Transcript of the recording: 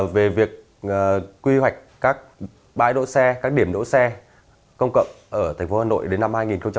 về việc quy hoạch các bãi đỗ xe các điểm đỗ xe công cộng ở thành phố hà nội đến năm hai nghìn hai mươi